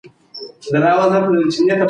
دا وسیلې بدې نه دي.